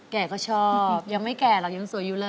แกก็ชอบยังไม่แก่หรอกยังสวยอยู่เลย